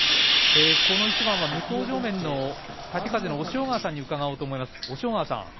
この一番は向正面豪風の押尾川さんに伺います。